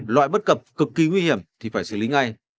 loại bất cập cực kỳ nguy hiểm thì phải xử lý ngay